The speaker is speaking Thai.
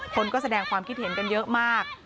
คนก็แสดงความคิดเห็นกันเยอะมาก